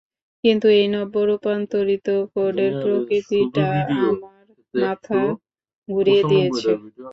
কিন্তু, এই নব্য রূপান্তরিত কোডের প্রকৃতিটা আমার মাথা ঘুরিয়ে দিয়েছে!